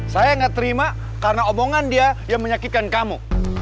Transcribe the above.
saya nggak terima karena omongan dia yang menyakitkan kamu